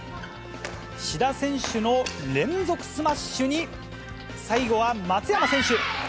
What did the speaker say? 志田選手の連続スマッシュに、最後は松山選手。